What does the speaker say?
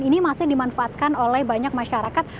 ini masih dimanfaatkan oleh banyak masyarakat